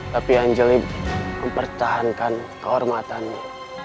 tapi anjali mempertahankan kehormatannya